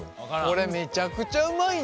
これめちゃくちゃうまいね。